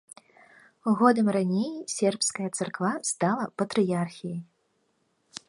Годам раней сербская царква стала патрыярхіяй.